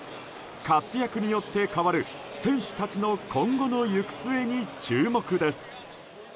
活躍によって変わる選手たちの今後の行く末に注目です。